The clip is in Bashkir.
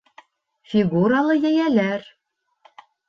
Фигуралы йәйәләр